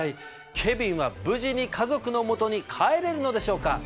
ケビンは無事に家族の元に帰れるのでしょうか？